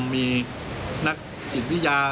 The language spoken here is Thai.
มีนักจิตวิทยา